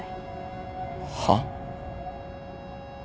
はっ？